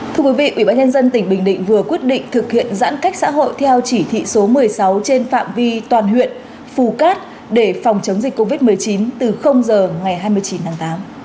thưa quý vị ubnd tỉnh bình định vừa quyết định thực hiện giãn cách xã hội theo chỉ thị số một mươi sáu trên phạm vi toàn huyện phù cát để phòng chống dịch covid một mươi chín từ giờ ngày hai mươi chín tháng tám